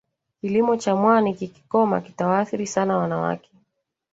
Kilimo cha mwani kikikoma kitawaathiri sana wanawake